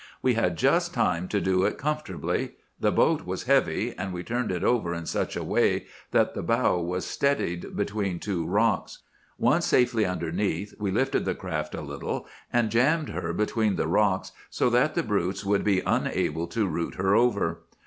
"We had just time to do it comfortably. The boat was heavy, and we turned it over in such a way that the bow was steadied between two rocks. Once safely underneath, we lifted the craft a little and jammed her between the rocks so that the brutes would be unable to root her over.